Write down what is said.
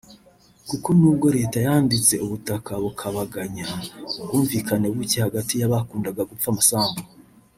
kuko nubwo leta yanditse ubutaka bikabaganya ubwumvikanye buke hagati y’abakundaga gupfa amasambu